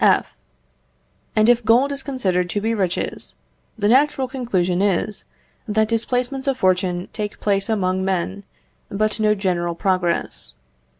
F. And if gold is considered to be riches, the natural conclusion is, that displacements of fortune take place among men, but no general progress.